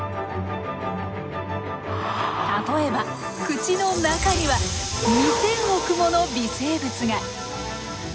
例えば口の中には２，０００億もの微生物が。